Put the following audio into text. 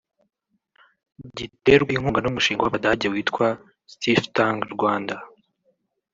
giterwa inkunga n’umushinga w’Abadage witwa Stiftung Rwanda